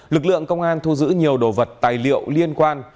lực lượng công an thu giữ nhiều đồ vật tài liệu liên quan